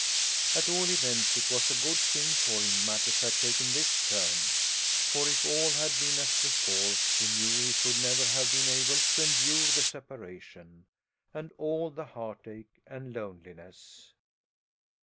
At all events it was a good thing for him matters had taken this turn, for if all had been as before he knew he should never have been able to endure the separation, and all the heartache and loneliness.